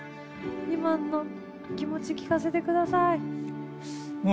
今の気持ち聞かせて下さい。